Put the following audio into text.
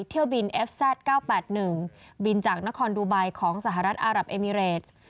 เที่ยวบินเอฟแซตเก้าแปดหนึ่งบินจากนครดูไบของสหรัฐอัรับเอมิเรจ